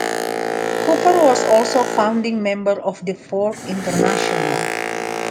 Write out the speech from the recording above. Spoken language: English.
Cooper was also a founding member of the Fourth International.